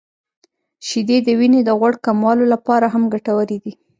• شیدې د وینې د غوړ کمولو لپاره هم ګټورې دي.